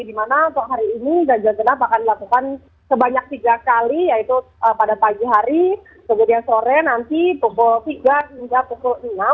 di mana untuk hari ini ganjil genap akan dilakukan sebanyak tiga kali yaitu pada pagi hari kemudian sore nanti pukul tiga hingga pukul enam